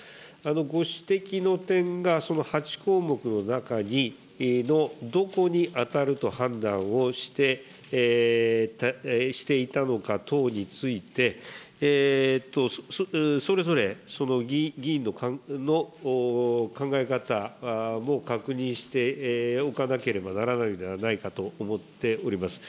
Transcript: ご指摘の点が、その８項目の中のどこに当たると判断をしていたのか等について、それぞれその議員の考え方も確認しておかなければならないのではないかと思っております。